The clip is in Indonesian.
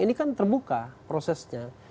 ini kan terbuka prosesnya